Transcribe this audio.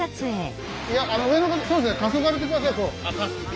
あの上の方そうですねたそがれて下さい。